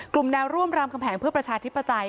แนวร่วมรามคำแหงเพื่อประชาธิปไตย